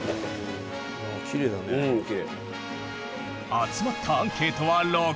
集まったアンケートは６０人分！